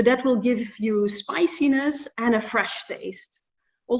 jadi itu akan memberi anda rasa keras dan rasa segar